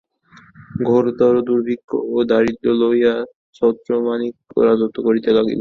ঘোরতর দুর্ভিক্ষ ও দারিদ্র্য লইয়া ছত্রমাণিক্য রাজত্ব করিতে লাগিলেন।